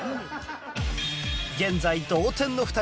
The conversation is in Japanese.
現在同点の２人